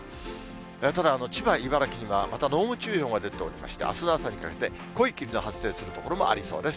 ただ、千葉、茨城にはまた濃霧注意報が出ておりまして、あすの朝にかけて濃い霧の発生する所もありそうです。